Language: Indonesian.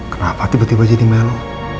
kenapa tiba tiba jadi melo